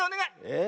え？